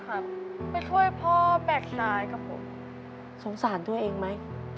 ไปช่วยพ่อแบกสายกับผมสงสารตัวเองไหม